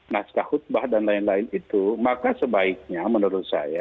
naskah khutbah dan lain lain itu maka sebaiknya menurut saya